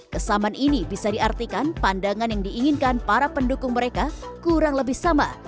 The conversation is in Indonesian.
kesamaan ini bisa diartikan pandangan yang diinginkan para pendukung mereka kurang lebih sama